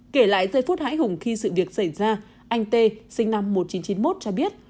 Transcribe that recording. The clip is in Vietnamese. kể lại giây phút hi hùng khi sự việc xảy ra anh t sinh năm một nghìn chín trăm chín mươi một cho biết